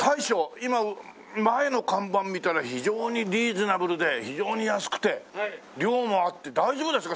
今前の看板見たら非常にリーズナブルで非常に安くて量もあって大丈夫ですか？